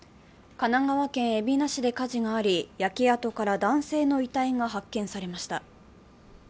神奈川県海老名市で火事があり、焼け跡から男性の遺体が発見されました。